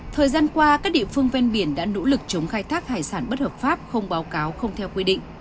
thời gian qua các địa phương ven biển đã nỗ lực chống khai thác hải sản bất hợp pháp không báo cáo không theo quy định